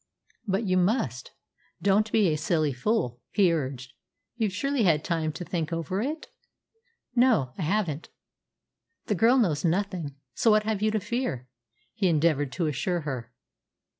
"But you must. Don't be a silly fool," he urged. "You've surely had time to think over it?" "No, I haven't." "The girl knows nothing. So what have you to fear?" he endeavoured to assure her.